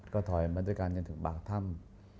ก็ถอยมาด้วยกันจนถึงปากถ้ำ